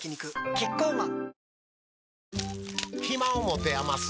キッコーマン